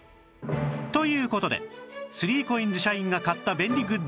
という事で３ＣＯＩＮＳ社員が買った便利グッズ